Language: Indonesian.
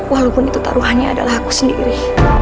walaupun itu taruhannya adalah aku sendiri